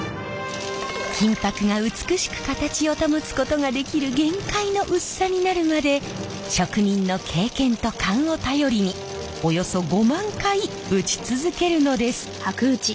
金箔が美しく形を保つことができる限界の薄さになるまで職人の経験と勘を頼りにおよそ５万回打ち続けるのです。